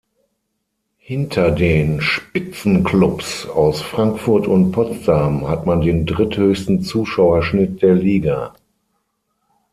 Hinter den Spitzenclubs aus Frankfurt und Potsdam hat man den dritthöchsten Zuschauerschnitt der Liga.